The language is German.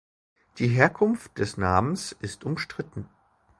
Die Herkunft des Namens ist umstritten.